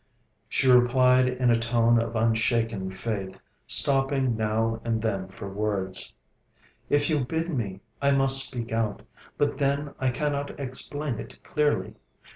She replied in a tone of unshaken faith, stopping now and then for words: 'If you bid me, I must speak out. But, then, I cannot explain it clearly.